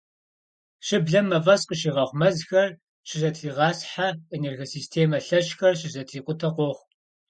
Щыблэм мафӏэс къыщигъэхъу, мэзхэр щызэтригъасхьэ, энергосистемэ лъэщхэр щызэтрикъутэ къохъу.